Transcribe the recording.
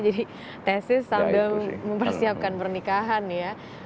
jadi tesis sambil mempersiapkan pernikahan ya